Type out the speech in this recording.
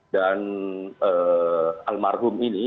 dan almarhum ini